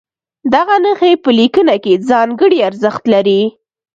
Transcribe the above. دغه نښې په لیکنه کې ځانګړی ارزښت لري.